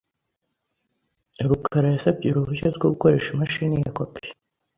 rukara yasabye uruhushya rwo gukoresha imashini ya kopi .